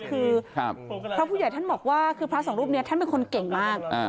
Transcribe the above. คือพระผู้ใหญ่ท่านบอกว่าคือพระสองรูปนี้ท่านเป็นคนเก่งมาก